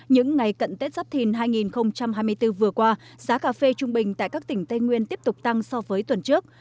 những ngày cận tết giáp thìn hai nghìn hai mươi bốn vừa qua giá cà phê trung bình tại các tỉnh tây nguyên tiếp tục tăng so với tuần trước